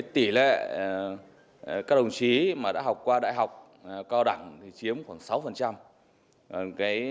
tỷ lệ các đồng chí mà đã học qua đại học cao đẳng chiếm khoảng sáu